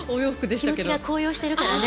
気持ちが高揚してるからね。